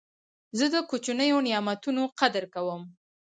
زه د کوچنیو نعمتو قدر کوم.